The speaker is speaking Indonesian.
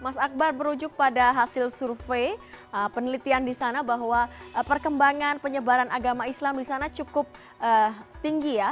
mas akbar berujuk pada hasil survei penelitian di sana bahwa perkembangan penyebaran agama islam di sana cukup tinggi ya